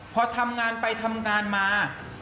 พอทำงานไปทำงานมา